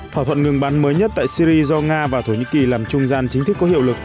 thỏa thuận ngừng bắn mới nhất tại syri do nga và thổ nhĩ kỳ làm trung gian chính thức có hiệu lực